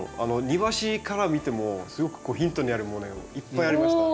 庭師から見てもすごくヒントになるものいっぱいありました。